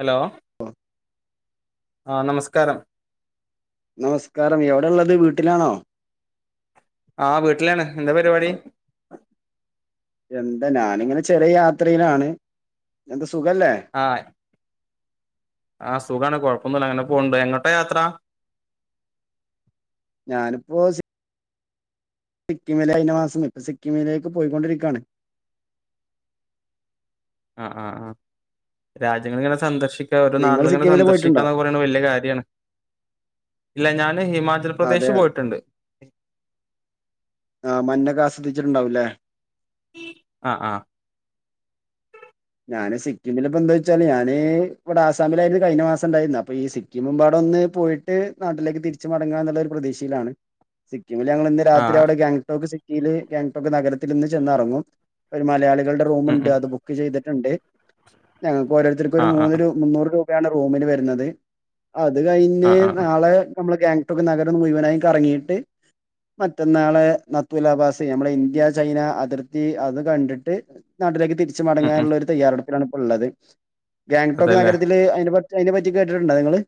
Hello ആ നമസ്കാരം നമസ്കാരം എവിടെള്ളത് വീട്ട്ലാണോ ആ വീട്ട്ലാണ് എന്താ പരിപാടി എന്താ ഞാനിങ്ങനെ ചെറിയ യാത്രയിലാണ് ന്താ സുഖല്ലേ ആഹ് സുഖാണ് കൊഴപ്പൊന്നുല്ല ഇങ്ങനെ പോണ്ട് എങ്ങോട്ടാ യാത്ര. ഞാനിപ്പോ സി സിക്കിമിലെ കഴിഞ്ഞ മാസം ഇപ്പൊ സിക്കിമിലേക്ക് പോയിക്കൊണ്ടിരിക്കയാണ്. ആ ആഹ ആ രാജ്യങ്ങള ഇങ്ങനെ സന്ദർശ ശിക ഓരോ നിങ്ങള് നാട്ടുകളെ സിക്കിമില് സന്ദർശിക പോയിട്ടുണ്ടോ എന്നെയൊകെ പറയുന്നത് വലിയ കാര്യണ്. ഇല്ല ഞാൻ ൻ ഹിമാചൽ അതെ പ്രദേശ് പോയിട്ടുണ്ട്. ആഹ് മഞ്ഞൊക്കെ ആസ്വദിച്ചിട്ടുണ്ടാവൂല്ലേ. ആ ആ ഞാന് സിക്കിമിലിപ്പോ എന്താവെച്ചല്ലേ ഞാന് ഇവിടെ ആസാമിലായിരുന്നു കഴിഞ്ഞ മാസണ്ടായിരുന്ന അപ്പൊ ഈ സിക്കിംപാടെ ഒന്ന് പോയിട്ട് നാട്ടിലേക്ക് തിരിച്ച് മടങ്ങ എന്നുള്ള ഒരു പ്രതീക്ഷയിലാണ്. സി ക്കിംമിലെ ഞങ്ങൾ ഇന്ന് ആ രാത്രി അവിടെ ഗാങ്ടോക്ക് സിറ്റിലെ ഗാങ്ടോക് നഗരത്തിൽ ഇന്ന് ചെന്നറങ്ങും. ഒരു മലയാളി കളുടെ ഉം റൂമുണ്ട് ഉം അത് ബുക്ക് ചെയ്തിട്ടുണ്ട്. ഞങ്ങക്ക് ഓരോരുത്തർക്ക് ആ ഒരു മൂ ആ മുന്നൂറ് രു പയാണ് റൂമന് വരുന്നത്. അത് ആ കഴിഞ്ഞ് ആ ആ നാളെ നമ്മള് ഗാങ്ടോക്ക് നഗരം ഒന്ന് മുഴുവനായി കറങ്ങയിട്ട് മറ്റന്നാളെ നാത്തൂല പാസ്സ് നമ്മള ഇന്ത്യ ചൈന അതിർത്തി അത് കണ്ടിട്ട് നാട്ടിലേക്ക് തി തിരിച്ച ഉം ഉം മടങ്ങാനുള്ള ഒരു തയ്യാറെടുപ്പിലാണ് ഇപ്പോ ഉള്ളത്. ഗാങ്ടോക് അതെല്ലേ നഗരത്തിലെ അതിനെ പ അതിനെ പറ്റി കേട്ടിട്ടുണ്ടോ നിങ്ങള്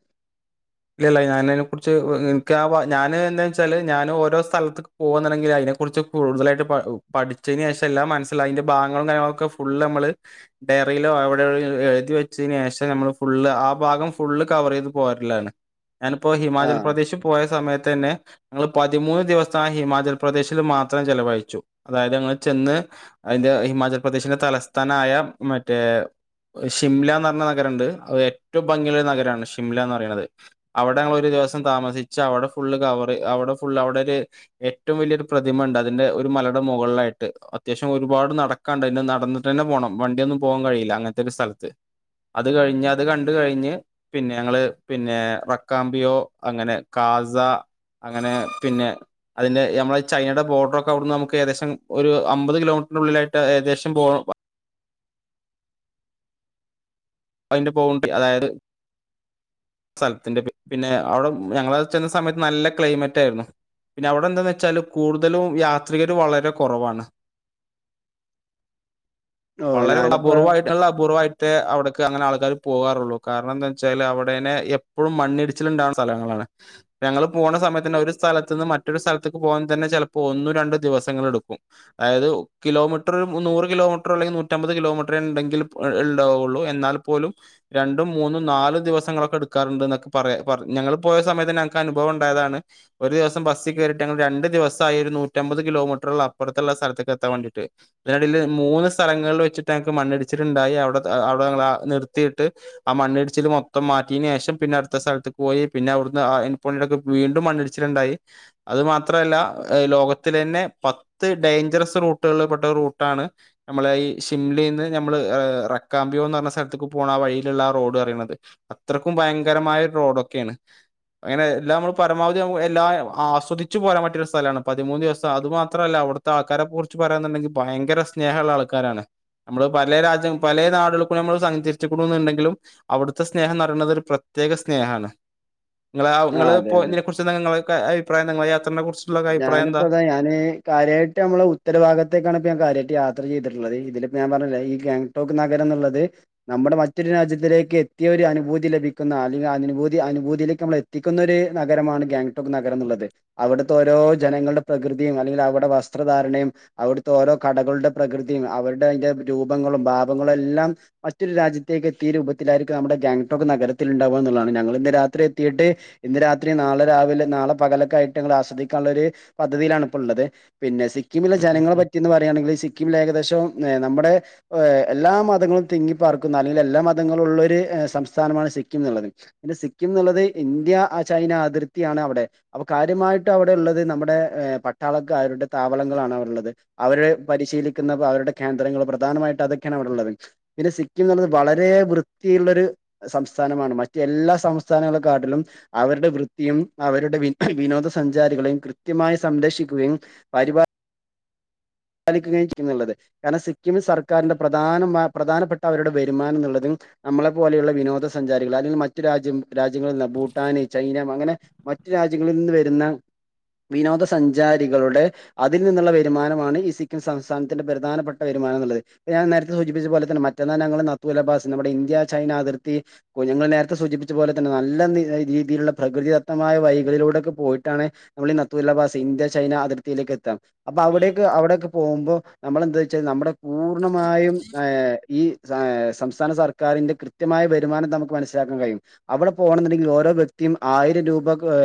ഇല്ലല്ല ഞാനതിനെ കുറിച്ച് എനിക്കാ ഞാന് എന്താ വെച്ചാല് ഞൻ ഓരോ സ്ഥലത്തക്ക് പോകണ്ടെങ്കി അയി അതിനെ കുറിച്ച് കൂടുതലായിട്ട് പ പഠിച്ചതിന് ശേഷം എല്ലാം മനസ്സിലായി അതിന്റെ ഭാഗങ്ങളും കാര്യങ്ങളൊക്കെ ഫുള്ള് നമ്മള് ഡയറിയിലോ എവിടെ എഴുതി വെച്ചതിന് ശേഷം നമ്മള് ഫുള്ള് ആ ഭാഗം ഫുള്ള് കവർ ചെയ്ത് പോകറില്ലാണ് ഞാനിപ്പോ ഹിമാചൽ ആഹ് പ്രദേശ് പോയ സമയ തന്നെ ഞങ്ങൾ പതിമൂന്ന് ദിവസം ആ ഹിമാചൽ പ്രദേശിൽ മാത്രം ചെലവഴിച്ചു അതായത് ഞങ്ങൾ ചെന്ന് അതിന്റെ ഹിമാചൽ പ്രദേശിന്റെ തലസ്ഥാനായ മറ്റേ ഷിംല എന്ന് പറഞ്ഞ നഗരം ഉണ്ട് അത് ഏറ്റവും ഭംഗിയുള്ള ഒരു നഗരമാണ് ഷിംലന്ന് പറയണത് അവിടെ ഞങ്ങള് ഒരു ദിവസം താമസിച്ച് അവിടെ ഫുള്ള് കവർ അവിടെ ഫുൾ അവിടെ ഒരു ഏറ്റവും വലിയൊരു പ്രതിമ ണ്ട് അതിന്റെ ഒരു മലയുടെ മുകളിലായിട്ട് അത്യാവശ്യം ഒരുപാട് നടക്കാണ്ട് അതിന്റെ നടന്നിട്ട് തന്നെ പോണം വണ്ടിയൊന്നും പോ പോകാൻ വഴിയില്ല അങ്ങനത്തെ ഒരു സ്ഥലത്ത് അത് കഴിഞ്ഞു അത് കണ്ട് കഴിഞ്ഞു പിന്നെ ഞങ്ങള് പിന്നെ വ ക്കാമ്പിയോ അങ്ങനെ കാസ അങ്ങനെ പിന്നെ അതിന്റെ നമ്മളെ ചൈനയുടെ ബോർഡറൊക്കെ അവിടുന്ന് നമുക്ക് ഏകദേശം ഒരു അമ്പത് കിലോമീ റ്ററിനുള്ളിലായിട്ട് ഏകദേശം പോ അതിന്റെ ബൗണ്ടറി അതായത് സ്ഥലത്തിന്റെ പിന്നെ അവിടെ ഞങ്ങള് ചെന്ന സമയത്ത് നല്ല ക്ലൈമറ്റ് ആയിരുന്നു പിന്നെ അവിടെ എന്താന്ന് വെച്ചാല് കൂടുതലും യാത്രികര് വളരെ കുറവാണ് ഓഹ് വളരെ ഞാനിപ്പോ അപൂർവ്വമായിട്ടുള്ള അപൂർവ്വമായി ത്തെ അവിടെക്ക് അങ്ങനെ ആൾക്കാർ പോകാറുള്ളൂ കാരണം എന്താന്ന് വെച്ചാല് അവിടെനെ എപ്പോഴും മണ്ണിടിച്ചിൽ ഉണ്ടാവണ സ്ഥലങ്ങളാണ് ഞങ്ങൾ പോണ സമയത്ത് തന്നെ ഒരു സ്ഥലത്ത് നിന്ന് മറ്റൊരു സ്ഥലത്തേക്ക് പോകൻ തന്നെ ചിലപ്പോ ഒന്നു രണ്ടു ദിവസങ്ങളൾ എടുക്കും അതായത് കിലോമീറ്റർ നൂറ് കിലോമീറ്റർ അല്ലെങ്കിൽ നൂറ്റമ്പ [unintelligible] കിലോമീറ്റർ ഉണ്ടെങ്കിൽ ഉണ്ടാവുള്ളൂ എന്നാൽ പോലും രണ്ടും മൂന്നും നാലും ദിവസങ്ങളൊക്കെ എടു ക്കാറുണ്ട്ന്നെക്കെ പറയാ പറ ഞങ്ങള് പോയ സമയത്ത് തന്നെ ഞങ്ങക്ക് അനുഭവം ഉണ്ടായതാണ് ഒരു ദിവസം ബസ്സിൽ കയറിട്ട് ഞങ്ങൾ രണ്ട് ദിവസായി ആ ഒരു നൂറ്റമ്പത് കിലോമീറ്ററ് ഉള്ള അപ്പുത്തുള്ള സ്ഥലത്തെക്ക് എത്താൻ വേണ്ടിയിട്ട് ഇതിനിടേല് മൂന്ന് സ്ഥലങ്ങളിൽ വെ ചിട്ട് ഞങ്ങൾക്ക് മണ്ണിടിച്ചിലുണ്ടായി അ അവി അവിടെ നിർത്തിയിട്ട് ആ മണ്ണിടിച്ചിൽ മൊത്തം മാ പറ്റിയന് ശേഷം പിന്നെ അടുത്ത സ്ഥലത്ത് പോയി പിന്നെ അവിടുന്ന് [unintelligible] വീണ്ടും മണ്ണിടിച്ചിട്ടുണ്ടായി അത് മാ മാത്രല്ല ലോകത്തിലന്നെ പത്ത് ഡേഞ്ചറസ് റൂട്ടുകളിൽ പെട്ട റൂട്ടാണ് നമ്മളെ ഈ [unintelligible] ഷിംലയിൽന്ന് നമ്മള് റക്കാമ്പിയോ എന്ന് പറഞ്ഞ സ്ഥലത്തേക്ക് പോകണം ആ വഴിയിലുള്ള ആ റോഡ് പറയണത് അത്രയ്ക്കും ഭയങ്കരമായൊരു റോഡൊക്കെയാണ് അങ്ങനെ എല്ലാം നമ്മള് പരമാവധി നമു എല്ലാം ആസ്വദിച്ചു പോരാൻ പറ്റിയ ഒരു സ്ഥലാണ് പതിമൂന്ന് ദിവസം അത് മാത്രമല്ല അവിടുത്തെ ആൾക്കാരെ കുറിച്ച് പറയാനുണ്ടെങ്കി ഭയങ്കര സ്നേഹ ഒള്ള ആൾക്കാരാണ് നമ്മള് പല രാജ്യം പലേ നാടുകൾക്കൂടി നമ്മൾ സഞ്ചരിച്ചിരിക്കുണുന്നുണ്ടെങ്കിലും അവിടുത്തെ സ്നേഹം ന ണത് ഒരു പ്രത്യേക സ്നേഹാണ് നിങ്ങളാ ആഹ് നിങ്ങള് അതെ അതെ പോയതിനെ കുറിച്ച് എന്താ നിങ്ങളൊക്കെ അഭിപ്രായം നിങ്ങളെ യാത്രേനെ കുറി ഞാനിപ്പോ അതാ ഞാന് കാര്യായിട്ട് നമ്മള് ഉത്തരഭാഗത്തേക്കാണ് ഇപ്പോ ഞാൻ കാര്യായിട്ട് യാത്ര ചെയ്തിട്ടുള്ളത് ഇതിലിപ്പോ ഞാൻ പറഞ്ഞില്ലേ ഈ ഗാംഗ്ടോക്ക് നഗരം എന്നുള്ളത് നമ്മുടെ മറ്റൊരു രാജ്യത്തിലേക്ക് എത്തിയ ഒരു അനുഭൂതി ലഭി ക്കുന്ന അല്ലെങ്കി അനുഭൂതി അനുഭൂതിയിലേക്ക് നമ്മളെ എത്തിക്കുന്നൊരു നഗരമാണ് ഗാംഗ്ടോക് നഗരം എന്നുള്ളത് അവിടു ത്തോരൊ ജനങ്ങളുടെ പ്രകൃതിയും അല്ലെങ്കിൽ അവിടെ വസ്ത്രധാരണയും അവിടുത്തെ ഓരോ കടകളുടെ പ്രകൃതിയും അവ അവരുടെ അതിന്റെ രൂപങ്ങളും ഭാവങ്ങളും എല്ലാം മറ്റൊരു രാജ്യത്തേക്ക് എത്തിയ രൂപത്തിലായിരിക്കും നമ്മുടെ ഗാംഗ്ടോക്ക് നഗ ത്തിലുണ്ടാവാന്നുള്ളതാണ് ഞങ്ങൾ ഇന്ന് രാത്രി എത്തിയിട്ട് ഇന്ന് രാത്രി നാളെ രാവിലെ നാളെ പകലൊക്കെയായിട്ട് ഞങ്ങൾ ആസ് ദിക്കാനുള്ള ഒരു പദ്ധതിയിലാണ് ഇപ്പോ ഉള്ളത് പിന്നെ സിക്കിമിലെ ഉം ഉം ജനങ്ങളെ ഉം പറ്റിന്ന് പറയാണെങ്കില് ശെ സിക്കിമിൽ ഏകദേശം നമ്മുടെ ഏ എല്ലാ മതങ്ങളും തിങ്ങിപ്പാർക്കുന്ന അല്ലെങ്കിൽ എല്ലാ മതങ്ങളുള്ളൊര് ഏ സംസ്ഥാനമാണ് സിക്കിംന്നുള്ളത് പിന്നെ സിക്കിംന്നുള്ളത് ഇന്ത്യ ചൈന അതിർത്തിയാണ് അവിടെ അപ്പൊ കാര്യമായി ട്ട് അവിടെ ഉള്ളത് നമ്മുടെ ഏ പട്ടാളക്കാരുടെ താവളങ്ങളാണ് അവടുള്ളത് അവരെ പരിശീലിക്കുന്ന അവരു ടെ കേന്ദ്രങ്ങൾ പ്രധാനമായിട്ട് അതൊക്കെയാണ് അവിടുള്ളത് പിന്നെ സിക്കിംന്ന് പറഞ്ഞ വളരെ വൃത്തിയുള്ളരു സം സ്ഥാനമാണ് മറ്റ് എല്ലാ സംസ്ഥാനങ്ങളെക്കാട്ടിലും അവരുടെ വൃത്തിയും അവരുടെ വിന് വിനോദ സഞ്ചാരികളെയും കൃത്യമായി സംരക്ഷിക്കുകയും പരിപാ പാലിക്കുകയും ചെയ്യുന്നുള്ളത് കാരണം സിക്കിം സർക്കാരിന്റെ പ്രധാനമാ പ്രധാനപ്പെട്ട അവരുടെ വരുമാനംന്നുള്ളതും നമ്മളെ പോലെയുള്ള വിനോദസഞ്ചാരികൾ അല്ലെങ്കിൽ മറ്റു രാജ്യം രാജ്യങ്ങളിൽ നിന്ന് ഭൂട്ടാന് ചൈന അങ്ങനെ മ റ്റ് രാജ്യങ്ങളിൽ നിന്ന് വരുന്ന വിനോദ സഞ്ചാരികളുടെ അതിൽ നിന്നുള്ള വരുമാനമാണ് ഈ സി സിക്കിം സംസ്ഥാനത്തിന്റെ പ്രധാനപ്പെട്ട വരുമാനംന്ന് ഉള്ളത് ഞാൻ നേരത്തെ സൂചിപ്പിച്ച പോലെ തന്നെ മറ്റന്ന ഞങ്ങള് നത്തോല ബാസ് നമ്മടെ ഇ ഇന്ത്യ ചൈന അതിർത്തി കുഞ്ഞുങ്ങൾ നേരത്തെ സൂചിപ്പിച്ച പോലെ തന്നെ നല്ല രീതിയിലുള്ള പ്രകൃതിദത്തമായ വൈ ഴികളിലൂടൊക്കെ പോയിട്ടാണ് നമ്മൾ ഈ നത്തൂലാബാസ് ഇന്ത്യ ചൈന അതിർത്തിയിലേക്ക് എത്താ അപ്പൊ അവിടേക്ക് അവിടെയൊക്കെ മ്പോ നമ്മള് എന്താ വച്ചാൽ നമ്മുടെ പൂർണമായും ഏ ഈ ഏ സംസ്ഥാന സർക്കാരിന്റെ കൃത്യമായ വരുമാനം നമുക്ക് മനസ്സിലാക്കാൻ കഴിയും അവിടെ പോണംന്നുണ്ടെങ്കിൽ ഓരോ വ്യക്തിയും ആയിരം രൂപക്ക് ഏ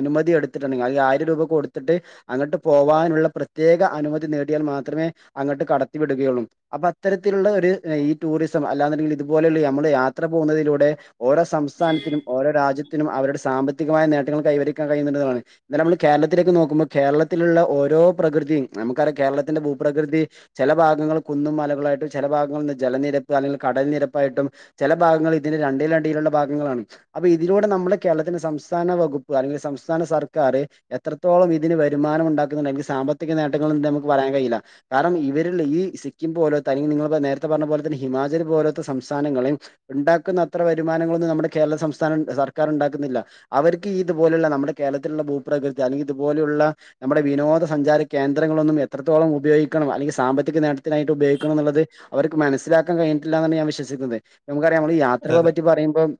അനുമതി എടുത്തിട്ടുണ്ടെങ്കി അതില് ആയിരം രൂപ കൊടുത്തിട്ട് അങ്ങോട്ട് പോവാനുള്ള പ്രത്യേക അനുമതി നേ ടിയാൽ മാത്രമേ അങ്ങട്ട് കടത്തി വിടുകയുള്ളും അപ്പൊ അത്തരത്തിലുള്ള ഒരു ഈ ടൂറിസം അല്ലാന്നുണ്ടെങ്കിൽ ഇതുപോലെ ല് നമ്മൾ യാത്ര പോകുന്നതിലൂടെ ഓരോ സംസ്ഥാനത്തിനും ഓരോ രാജ്യ ത്തിനും അവരുടെ സാമ്പത്തികമായ നേട്ടങ്ങൾ കൈവരിക്കാൻ കഴിയുന്നുണ്ടന്നതാണ് എന്നാൽ നമ്മൾ കേരളത്തിലേക്ക് നോക്കുമ്പോ കേരളത്തിലുള്ള ഓരോ പ്രകൃതിയും നമുക്കറിയാം കേരള ത്തിന്റെ ഭൂപ്രകൃതി ചെല ഭാഗങ്ങൾ കുന്നും മലകളായിട്ടും ചില ഭാഗങ്ങൾ [unintelligible] ജലനിരപ്പ് അല്ലെങ്കി കടൽ നിരപ്പായിട്ടും ചെല ഭാഗങ്ങൾ ഇതിന്റെ രണ്ടിലടിയിലുള്ള ഭാഗങ്ങളാണ് അപ്പൊ ഇതിലൂടെ നമ്മള് കേരളത്തിന്റെ സംസ്ഥാന വകുപ്പ് അൽ സംസ്ഥാന സർക്കാര് എത്രത്തോളം ഇതിന് വരുമാനം ഉണ്ടാക്കുന്നുണ്ട് എങ്കിൽ സാമ്പത്തിക നേട്ടങ്ങൾ ഉണ്ടേ നമുക്ക് പറയാൻ കഴയില്ല കാരണം ഇവരിൽ ഈ സിക്കിം പോലത്തെ അല്ലെങ്കൽ നിങ്ങള് നേരത്തെ പറഞ്ഞ പോലെ തന്നെ ഹിമാചൽ പോലത്തെ സംസ് സ്ഥാനങ്ങളെയും ഉണ്ടാക്കുന്ന അത്ര വരുമാനങ്ങളൊന്നും നമ്മുടെ കേരള സംസ്ഥാനം സർക്കാർ ഉണ്ടാക്കുന്നില്ല അവർക്ക് ഈ ഇതുപോലുള്ള നമ്മുടെ കേരളത്തിലുള്ള ഭൂപ്രകൃതി അല്ലെങ്കി ഇതുപോലെയുള്ള നമ്മുടെ വിനോദ സഞ്ചാര കേന്ദ്രങ്ങളൊന്നും എ എത്രോളം ഉപയോഗിക്കണം അല്ലങ്കി സാമ്പത്തിക നേട്ടത്തിനായിട്ട് ഉപയോഗിക്കണം എന്നുള്ളത് അവർക്ക് മനസ്സിലാക്കാൻ കഴിഞ്ഞിട്ടില്ല എന്നാണ് ഞാൻ വിശ്വസി ക്കുന്നത് നമുക്കറിയാം നമ്മള് അതെ യാത്രകളെ അതെ പറ്റി പറയുമ്പം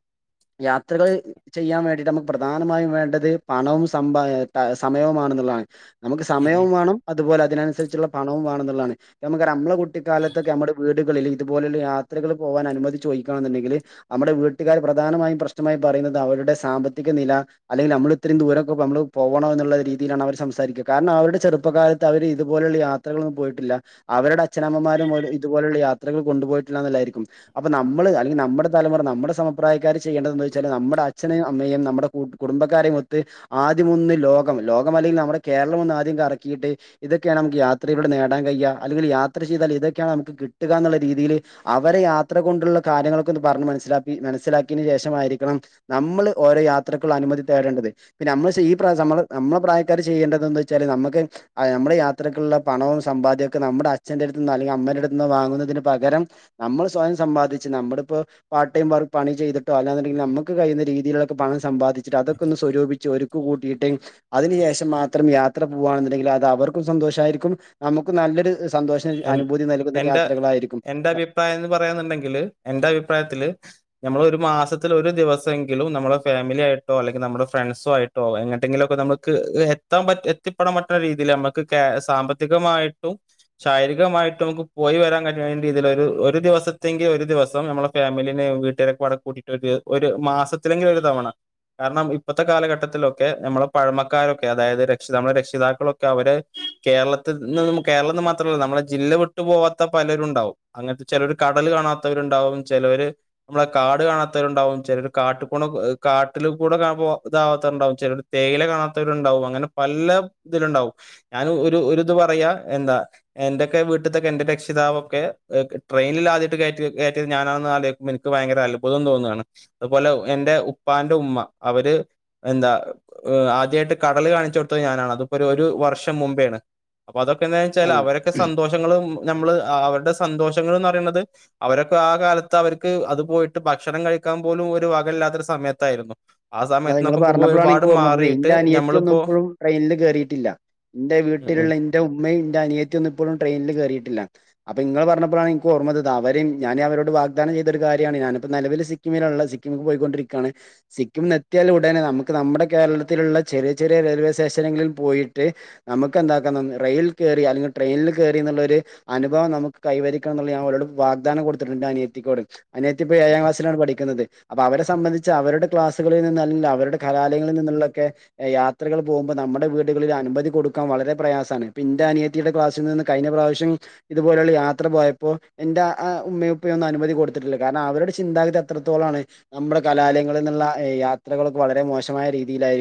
യാത്രകൾ ചെയ്യാൻ വേണ്ടിട്ട് നമുക്ക് പ്രധാനമായും വേണ്ടത് പണവും സമ്പ ഏ സമയവുമാണ താണ് നമുക്ക് ഉം ഉം സമയവും വേണം അതുപോലെ അതിനനുസരിച്ചുള്ള പണവും വേണംന്ന് ള്ളതാണ് നമ്മുക്കറിയാം നമ്മളെ കുട്ടിക്കാലത്തൊക്കെ നമ്മുടെ വീടുകളിൽ ഇതുപോലുള്ള യാത്രകൾ പോവാൻ അനുമതി ചോയിക്കണമെന്നുണ്ടെങ്കിൽ നമ്മുടെ വീട്ടുകാർ പ്രധാനമായും പ്രശ്നമായി പറയുന്നത് അവരുടെ സാമ്പത്തിക നില അല്ലെങ്കി നമ്മൾ ഇത്രയും ദൂരൊക്കെ അപ്പ നമ്മള് പോവണോ എന്നുള്ള രീതിയിലാണ് അവർ സംസാരിക്കുക കാരണം അവരുടെ ചെറുപ്പകാലത്ത് അവര് ഇതുപോലുള്ള യാത്രകളൊന്നും പോയിട്ടില്ല അവരുടെ അച്ഛനമ്മമാരും ഓരോ ഇതുപോലുള്ള യാത്രകൾ കൊണ്ടുപോയിട്ടില്ല എന്നുള്ളായിരിക്കും അപ്പൊ നമ്മള് അല്ലെങ്കി നമ്മടെ തലമുറ നമ്മുടെ സമപ്രായക്കാര് ചെയ്യേണ്ടതെന്ത വെച്ചാല് നമ്മടെ അച്ഛനെയും അമ്മയെയും നമ്മുടെ കൂ കുടുംബക്കാരെയുമൊത്ത് ആദ്യമൊന്ന് ലോകം ലോകം അല്ലെങ്കിൽ നമ്മുടെ കേരളം ഒന്ന് ആദ്യം കറക്കിയിട്ട് ഇതൊക്കെയാണ് നമുക്ക് യാത്രയിലൂടെ നേടാൻ കഴിയുക അല്ലെങ്കിൽ യാത്ര ചെയ്താൽ ഇതൊക്കെയാണ് നമുക്ക് കിട്ടുക എന്നുള്ള രീതിയില് അവരെ യാത്ര കൊണ്ടുള്ള കാര്യങ്ങളൊക്കൊന്ന് പറഞ്ഞ് മനസിലാക്കി മനസ്സിലാക്കിയന് ശേഷമായിരിക്കണം നമ്മൾ ഓരോ യാത്ര അനുമതി തേടേണ്ടത് പിന്നെ നമ്മള് ഈ നമ്മള പ്രായക്കാർ ചെയ്യേണ്ടതന്ന് വെച്ചാല് നമുക്ക് നമ്മുടെ യത്രക്കുള്ള പണവും സമ്പദ്യക്കെ നമ്മുടെ അച്ഛന്റെ അടുത്ത് നിന്നോ അല്ലെങ്കിൽ അമ്മന്റെ അടുത്ത് നിന്നോ വാങ്ങുന്നതിന് പകരം നമ്മള് സ്വയം സമ്പാദിച്ച് നമ്മളിപ്പോ പാർട്ട്ടൈം പണി ചെയ്തിട്ടോ അല്ലാന്ന് ഇണ്ടങ്കിൽ നമുക്ക് കഴിയുന്ന രീതിയിലൊക്കെ പണം സബാ സമ്പാദിച്ചിട്ട് അതൊക്കെ ഒന്ന് സ്വരൂപിച്ച് ഒരുക്ക് കൂട്ടിയിട്ട് അതിന് ശേഷം മാത്രം യാത്ര പോവാന്നുണ്ടെങ്കിൽ അത് അത് അവർക്കും സന്തോഷമായിരിക്കും നമുക്ക് നല്ലൊരു ഇത എൻ എന്റെ എന്റെ അഭിപ്രായം എന്ന് പറയാന്നുണ്ടെങ്കില് എന്റെ അഭിപ്രായത്തില് നമ്മൾ ഒരു മാസത്തിൽ ഒരു ദിവസെങ്കിലും നമ്മളെ ഫാമിലി ആയിട്ടോ അല്ലെങ്കിൽ നമ്മുടെ ഫ്രണ്ട്സു ആയിട്ടോ എങ്ങന എന്തെങ്കിലുമൊക്കെ നമ്മുക്ക് എത്താൻ പറ്റ എത്തിപ്പെടാൻ പറ്റുന്ന രീതിയിൽ നമ്മുക്ക് സാമ്പത്തികമായിട്ടും ശാരീരികമായിട്ടും നമുക്ക് പോയി വരാൻ കഴിയുന്നതിൽ ഒരു ഒരു ദിവസത്തെങ്കിൽ ഒരു ദിവസം നമ്മളെ ഫാമിലിനെ വീട്ടുകരൊക്കെ പാടെ കൂടീട്ട് ഒരു ഒരു മാസത്തിലെങ്കിലും ഒരു തവണ കാരണം ഇപ്പഴത്തെ കാലഘട്ടത്തിലൊക്കെ നമ്മളെ പഴമക്കാരൊക്കെ അതായത് രക്ഷി നമ്മുടെ രക്ഷിതാക്കളൊക്കെ അവര് കേരളത്തിൽ നിന്ന് കേരളന്ന് മാത്ര മാത്രല്ല നമ്മളെ ജില്ല വിട്ടു പോവാത്ത പലരുണ്ടാവും അങ്ങനത്തെ ചിലർ കടല് കാണാത്തവരുണ്ടാവും ചിലര് നമ്മള കാട് കാണാത്തവരുണ്ടാവും ചിലരു കാട്ടിൽ കൂടെ കാട്ടില് കൂടെ ഇപ്പോ ഇതാവാത്തവരുണ്ടാവും ചിലർ തേയില കാണാത്തവരുണ്ടാവും അങ്ങനെ പല ഇതില് ഉണ്ടാവും ഞാൻ ഒരു ഇത് പറയാ എന്താ എന്റെ ഒക്കെ വീട്ടിലത്തക്കെ എന്റെ രക്ഷിതാവൊക്കെ ട്രെയിനിൽ ആയിട്ട് കയറ്റി കയറ്റിയത് ഞാനാണ് ആലൊയിക്കുബോൾ ഇൻക്ക് ഭയര അത്ഭുതം തോന്നാണ്. അത് പോലെ എന്റെ ഉപ്പാന്റെ ഉമ്മ അവര് എന്താ ആദ്യമായിട്ട് കടല് കാണിച്ചു കൊടുത്തത് ഞാനാണ് അതിപ്പൊ ഒരു വർഷം മുമ്പേണ് അപ്പ അതൊക്കെ എന്ന് വെച്ചാൽ അത് അവരൊക്കെ സന്തോഷങ്ങളും നമ്മള് ആ അവരുടെ സന്തോഷങ്ങൾന്നറിണത് അവരൊക്കെ ആ കാലത്ത് അവർക്ക് അത് പോയിട്ട് ഭക്ഷണം കഴിക്കാൻ പോലും ഒരു വകയില്ലാത്തൊരു സമയത്തായിരുന്നു ആ സമയത്ത് നിങ്ങള് നോക്കുമ്പോ പറഞ്ഞപ്പോഴാണ് ഒരുപാട് എനിക്ക് ഓർമ്മ വന്നത് മാറിയിട്ട് എന്റെ അനിയത്തി ഒന്നും ഞമ്മളിപ്പോ ഇപ്പോഴും ട്രെയിനിൽ കേറിയിട്ടില്ല എന്റെ ഉം ഉം വീട്ടിലുള്ള എന്റെ ഉമ്മയും എന്റെ അനിയ ത്തിയൊന്നും ഇപ്പഴും ട്രെയിനിൽ കേറിയിട്ടില്ല അപ്പൊ നിങ്ങൾ പറഞ്ഞപ്പോഴാണ് എനിക്ക് ഓർമ്മ വന്നത് ഞാൻ അവരോട് വാക്ദാനം ചെയ്തൊരു കാര്യ യ ഞാന് നിലവിൽ സിക്കിമിലുള്ളത് സിക്കിമിക്ക് പോയിക്കൊണ്ടിരിക്കാണ് ഉം. സിക്കിമ് എ എത്തിയാൽ ഉടനെ നമുക്ക് നമ്മുടെ കേരളത്തിലുള്ള ചെറിയ ചെറിയ റെയിൽവേ സ്റ്റേഷനിൽ പോയിട്ട് നമുക്ക് എന്താ റെയിൽ കേറി അല്ലെങ്കി ട്രെയിനിൽ കേറി എന്നുള്ളൊരു ഒരു അനുഭവം നമുക്ക് കൈവരിക്കണം എന്നുള്ളത് അവരോട് വാഗ്ദാനം കൊടുത്തിട്ടുണ്ട് അനിയത്തിയോട് അനിയത്തി ഇപ്പം ഏഴാം ക്ലാസിലാണ് പഠിക്കുന്നത് അപ്പ അവരെ സംബന്ധച്ച് അവരുടെ ക്ലാസ് അല്ലെങ്കിൽ അവരുടെ കലാലയങ്ങളിൽ നിന്നുള്ളൊക്കെ യാത്രകൾ പോകുമ്പോൾ നമ്മുടെ വീടുകളിൽ അനുമതി കൊടുക്കാൻ വള പ്രയാസാണ് ഇപ്പ എന്റെ അനിയത്തിയുടെ ക്ലാസിൽ നിന്ന് കഴിഞ്ഞ പ്രാവശ്യം ഇതുപോലുള്ള യാത്ര പോയപ്പോ എന്റെ അ ആ ഉമ്മയും ഉപ്പയൊന്നും അനുമതി കൊടുത്തിട്ടില്ല. കാരണം അവരുടെ ചിന്താഗതി അത്രത്തോളാണ് നമ്മുടെ കലാലയങ്ങളിൽ നിന്നുള്ള യാത്രകളൊക്കെ വളരെ മോശമായ രീതിയിലായിരി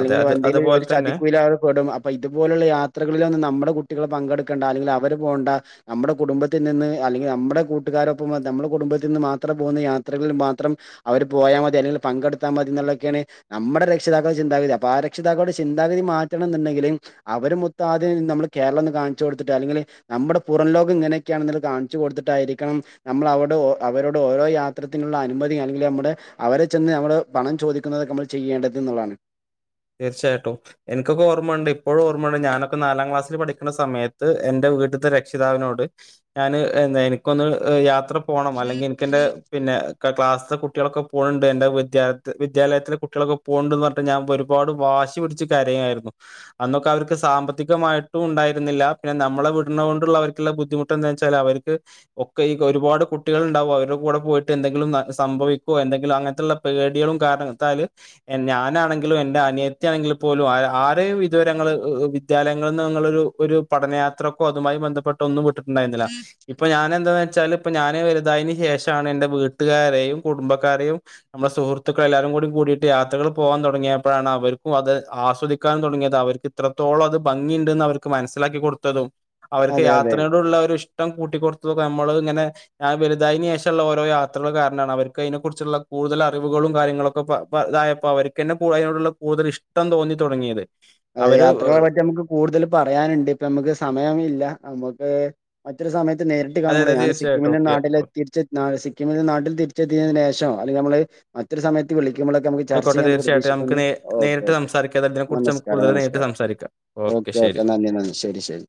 അതെ അത് എന്തേലും അതുപോലെ ഒരു തന്നെ ചതിക്കുഴിയില് അവർ പെടും അപ്പൊ ഇതുപോലുള്ള യാത്രകളിലൊന്നും നമ്മ നമ്മുടെ കുട്ടികളൾ പങ്കെടുക്കേണ്ട. അല്ലെങ്കിൽ അവര് പോണ്ട. നമ്മുടെ കുടുംബത്തിൽ നിന്ന് അല്ലെങ്കിൽ നമ്മുടെ കൂട്ടുകാരൊപ്പ നമ്മ കുടുംബത്തിന്ന് മാത്രം പോകുന്ന യാത്രകളിൽ മാത്രം അവര് പോയാൽ മതി അല്ലെങ്കിൽ പങ്കെടുത്താൻ പറ്റുന്ന എന്നുള്ളതൊക്കെയാണ് നമ്മുടെ രക്ഷിതാക്കളുടെ ചിന്താഗതി അപ്പൊ ആ രക്ഷിതാക്കളുടെ ചിന്താഗതി മാറ്റണം എന്നുണ്ടെങ്കില് അവര് മൊത്തം ആദ്യം നമ്മള് കേരളൊന്ന് കാണിച്ചു കൊടുത്തിട്ട്. അല്ലെങ്ക നമ്മുടെ പുറംലോകം ഇങ്ങനെയൊക്കെയാണ്ന്ന് കാണിചു കൊടുത്തിട്ടായിരിക്കണം നമ്മൾ അവിടെ അവരോട് ഓരോ യാത്രത്തിനുള്ള അനുമതി അല്ലെങ്കിൽ നമ്മുടെ അവരെ ചെന്ന് നമ്മള് പണം ചോദിക്കുന്നത് നമ്മൾ ചെയ്യേണ്ടത് എന്നുള്ളതാണ് തീർച്ചയായിട്ടും എനിക്കൊക്കെ ഓർമ്മയുണ്ട് ഇപ്പോഴും ഓർമ്മയുണ്ട് ഞാനൊക്കെ നാലാം ക്ലാസ്സിൽ പഠിക്കുന്ന സമയത്ത് എന്റെ വീട്ട്ത്തെ രക്ഷിതാവിനോട് ഞാൻ എനിക്കൊന്ന് യാത്ര പോണം അല്ലെങ്കിൽ എനിക്കെന്റെ പിന്നെ ക്ലാസിത്തെ കുട്ടകളൊക്കെ പോണ് ണ്ട്. എന്റെ വിദ്യാലയ വിദ്യാലയത്തിലെ കുട്ടികളക്കെ പോവുണ്ട് പറഞ്ഞിട്ട് ഞാൻ ഒരുപാട് വാശി പിടിച്ച് കരയായിരുന്നു അന്നൊക്കെ അവർക്ക് സാമ്പത്തികമായിട്ടും ഉണ്ടായിരുന്നില്ല പിന്നെ നമ്മള വിടുന്ന കൊണ്ടുള്ള അവർക്കുള്ള ബുദ്ധിമുട്ട് എന്താ വെച്ചാൽ അവർക്ക് ഒക്കെ ഈ ഒരുപാട് കുട്ടികൾ ഉണ്ടാവും അവരുടെ കൂടെ പോയി എന്തെങ്കിലും സംഭവിക്കോ എന്തെങ്കിലും അങ്ങനത്തുള്ള പേടികളും കാരണത്താൽ ഞാനാണെങ്കിലും അനിയത്തിയാണെങ്കിൽ പോലും ആരെയും ഇതുവരെങ്ങൾ വിദ്യാലയങ്ങളിൽ നിന്ന് പഠനയാത്ര അതുമായി ബന്ധപ്പെട്ട് ഒന്നും വിട്ടിട്ടുണ്ടായിരുന്നില്ല ഇപ്പ ഞാൻ എന്താന്ന് വെച്ചാല് ഇപ്പൊ ഞാന് വലുതായതിന് ശേഷാണ് എന്റെ വീട്ടുകാരെയും കുടുംബക്കാരെയും നമ്മുടെ സുഹൃത്തുക്കൾ എല്ലാരും കൂടി കൂ കൂടിയിട്ട് യാത്രകൾ പോവാൻ തുടങ്ങിയ അപ്പോഴാണ് അവർക്കും അത് ആസ്വദിക്കാൻ തുടങ്ങിയത് അവർക്ക് ഇത്രത്തോളം അത് ഭംഗിയ ഉണ്ടെന്ന് അവർക്ക് മനസ്സിലാക്കി കൊടുത്തതും. അവർക്ക് അതെ അതെ യാത്രയോടുള്ള ഒരു ഇഷ്ടം കൂട്ട നമ്മ ഇങ്ങെ ഞാൻ വലുതതിനന് ശേഷുള്ള ഓ യാത്രകൾ കാരാണ് അവർക്ക് അതിനെ കുുറിച്ചുള്ള കൂടുതൽ. അറിവുകളും കാര്യങ്ങളൊക്കെതായപ്പോ അവർക്ക്ന്നെ ക അതിനോടു കൂടുൽ ഇഷ്ടം തോന്നി തുടങ്ങിയത്. അതെ അവര് യാത്രകളെ നമുക്ക് കൂടുതൽ പറയാനുണ്ട് ഇപ്പ നമുക്ക് സമയ മില്ല നമുക്ക് മറ്റൊ സമയത്ത് നേരിട്ട് അതെ കാണുമ്പോളേ അതെ ഞാ തീർച്ചയായിട്ടും സിക്കിമിന്റെ ഓക്കെ നാട്ടിൽ തിരിച്ച സിക്കിമിലന്റെ നാട്ടിൽ തിരിച്ചെത്തിയതിന് ശേഷം അല്ലെ നമ്മള് മറ്റൊരു സമയത്ത് വിളി ന ചർച്ച ആയിക്കോട്ടെ ചെയ്യാ തീർച്ചയായിട്ടും നമുക്ക് പ്രതീക്ഷിക്കുന്നു. നേ ഓ നേരിട്ട് ഓ സംസാരിക്കാം അതിനെ കുറിച്ച് നമസ് നമുക്ക് കൂടുതൽ നേരിട്ട് നമസ്കാരം സംസാരിക്കാം ഓക്കെ ഓക്കെ ശരി നന്ദി നന്ദി ശരി ശരി.